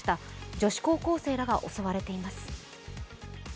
女子高校生らが襲われています。